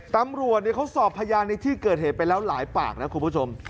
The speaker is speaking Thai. ตำรวจเขาสอบพยานในที่เกิดเหตุไปแล้วหลายปากนะคุณผู้ชม